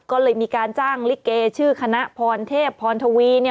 ก็เลยมีการจ้างลิเกชื่อคณะพรเทพพรทวี